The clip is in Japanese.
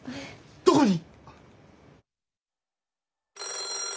どこに？